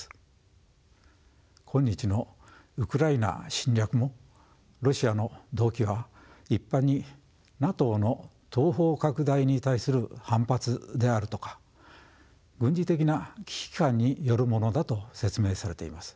今日のウクライナ侵略もロシアの動機は一般にＮＡＴＯの東方拡大に対する反発であるとか軍事的な危機感によるものだと説明されています。